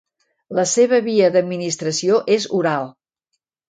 La seva via d'administració és oral.